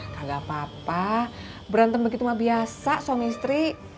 kagak apa apa berantem begitu mah biasa soami istri